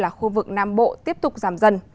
là khu vực nam bộ tiếp tục giảm dần